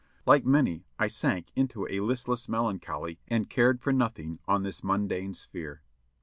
Like many, I sank into a listless melancholy and cared for nothing on this mundane sphere.